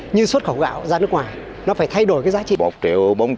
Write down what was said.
như xuất khẩu gạo ra nước ngoài nó phải thay đổi giá trị